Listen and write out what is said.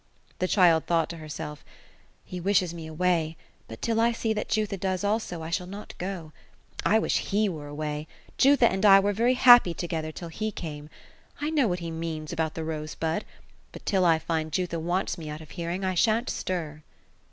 The child thought to herself, —^*^ He wishes me away ; but till I see that Jutha does, also, I shall not go. I wish he were away ; Jutha and I were very happy together, till he came ; I know what he means, about the rosebud ; but, till I find Jutha wants me out of hearing, I shan't nir."